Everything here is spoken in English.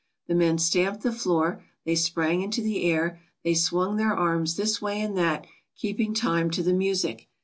The men stamped the floor, they sprang into the air, they swung their arms this way and that, keeping time to the music.